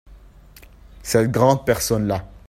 Cette grande personne-là.